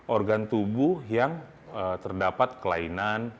organ tubuh yang terdapat kelainan